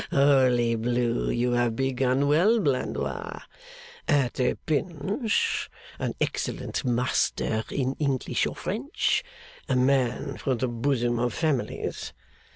Haha! Holy blue, you have begun well, Blandois! At a pinch, an excellent master in English or French; a man for the bosom of families!